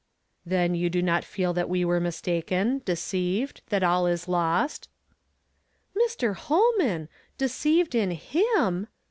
"Then you do not feel that we were mistaken, deceived, that all is lost?" "Mr. Holman! deceived in Him!''